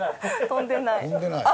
飛んでない。